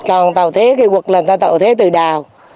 còn tạo thế cây quất là tạo thế từ đào